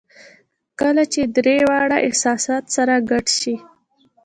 کله چې درې واړه احساسات سره ګډ شي